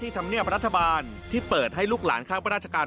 ธรรมเนียบรัฐบาลที่เปิดให้ลูกหลานข้างราชการ